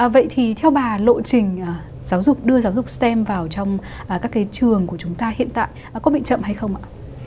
vậy thì theo bà lộ trình giáo dục đưa giáo dục stem vào trong các cái trường của chúng ta hiện tại có bị chậm hay không ạ